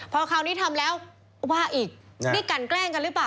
พอคราวนี้ทำแล้วว่าอีกนี่กันแกล้งกันหรือเปล่า